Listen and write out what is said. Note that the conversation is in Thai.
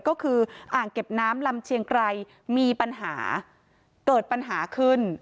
ก็คืออ่างเก็บน้ำลำเชียงไกรมีปัญหาเกิดปัญหาขึ้น